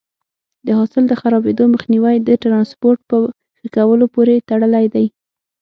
د حاصل د خرابېدو مخنیوی د ټرانسپورټ په ښه کولو پورې تړلی دی.